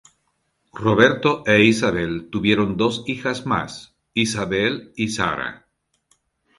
Roberto e Isabel tuvieron dos hijas más, Isabel y Sara.